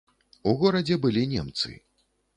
У горадзе былі немцы.